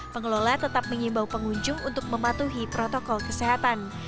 pengelola tetap mengimbau pengunjung untuk mematuhi protokol kesehatan